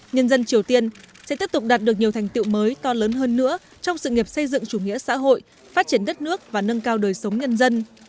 nhân dân triều tiên sẽ tiếp tục đạt được nhiều thành tiệu mới to lớn hơn nữa trong sự nghiệp xây dựng chủ nghĩa xã hội phát triển đất nước và nâng cao đời sống nhân dân